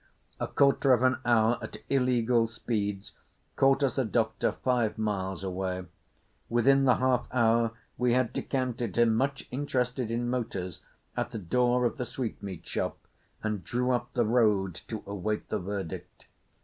A quarter of an hour at illegal speeds caught us a doctor five miles away. Within the half hour we had decanted him, much interested in motors, at the door of the sweetmeat shop, and drew up the road to await the verdict.